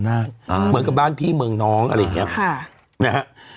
เหมือนกับบ้านพี่เมืองน้องอะไรอย่างนี้ค่ะนะฮะ